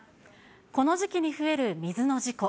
この時期に増える水の事故。